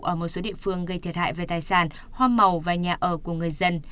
ở một số địa phương gây thiệt hại về tài sản hoa màu và nhà ở của người dân